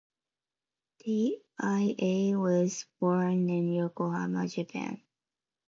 TiA was born in Yokohama, Japan.